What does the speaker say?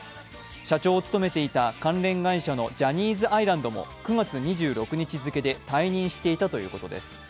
社長を務めていた関連会社のジャニーズアイランドも９月２６日付けで退任していたということです。